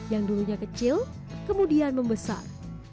yang dulunya kecil kemudian membesar